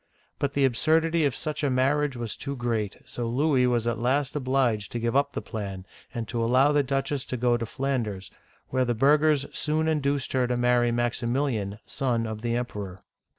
But the absurdity of such a marriage was too great, so Louis was at last obliged to give up the plan, and to al low the duchess to go to Flanders, where the burghers soon induced her to marry Maximil'ian, son of the Emperor.